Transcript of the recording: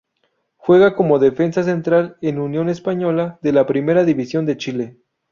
Juega como defensa central en Union Española de la Primera División de Chile.